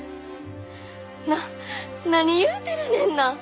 な何言うてるねんな！